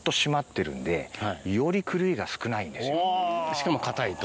しかも硬いと。